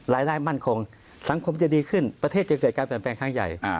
รายได้มั่นคงสังคมจะดีขึ้นประเทศจะเกิดการแบ่งข้างใหญ่